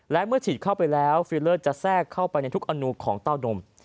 และเมื่อฉีดเข้าไปแล้วฟิลเลอร์จะแทรกเข้าไปในทุกอนุของเต้านม